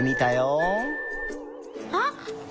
あっ！